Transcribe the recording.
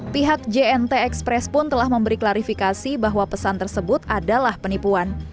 pihak jnt express pun telah memberi klarifikasi bahwa pesan tersebut adalah penipuan